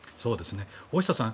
大下さん